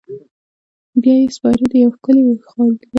بیا یې سپاري د یو ښکلي اوښاغلي